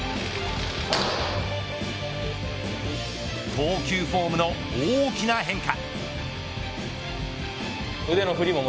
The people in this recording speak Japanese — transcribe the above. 投球フォームの大きな変化。